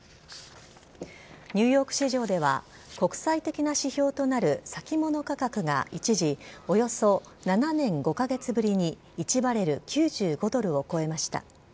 ニューヨーク市場では、国際的な指標となる先物価格が一時、およそ７年５か月ぶりに１バレル９５ドルを超えました。